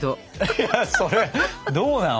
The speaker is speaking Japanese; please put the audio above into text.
いやそれどうなの？